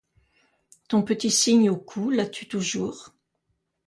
Ton petit signe au cou, l'as-tu toujours?